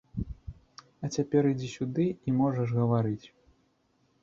А цяпер ідзі сюды і можаш гаварыць.